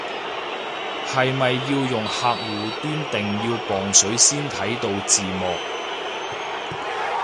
係咪要用客戶端定要磅水先睇到字幕